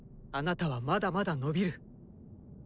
あなたはまだまだ伸びる。